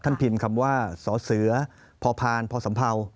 ท่านพิมพ์คำว่าสเสือพพานพสำเภา